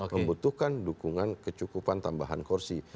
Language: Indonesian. membutuhkan dukungan kecukupan tambahan kursi